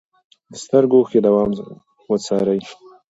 د سترګو اوښکې دوام وڅارئ.